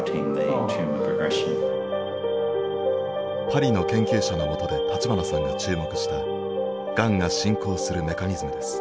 パリの研究者のもとで立花さんが注目したがんが進行するメカニズムです。